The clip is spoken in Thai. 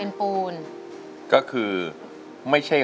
ทั้งในเรื่องของการทำงานเคยทำนานแล้วเกิดปัญหาน้อย